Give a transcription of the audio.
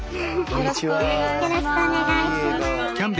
よろしくお願いします。